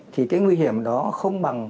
thì cái nguy hiểm đó không bằng